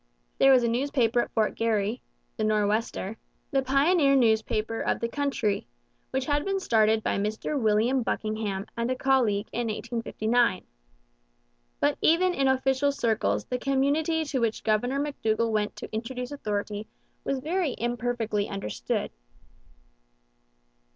There was a newspaper at Fort Garry the Nor'Wester the pioneer newspaper of the country which had been started by Mr William Buckingham and a colleague in 1859. But even in official circles the community to which Governor McDougall went to introduce authority was very imperfectly understood.